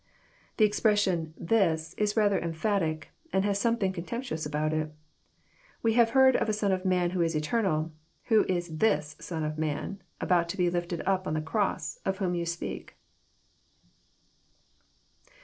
" The expression, <* this," is rather emphatic, and has something contemptuous about It. *' We have heard of a Son of man who | is eternal. Who is this Son of man about to be lifted up on the | cross, of whom you speak?